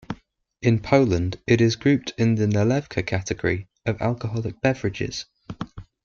In Poland it is grouped in the nalewka category of alcoholic beverages.